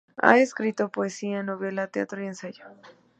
Ha escrito poesía, novela, teatro y ensayo.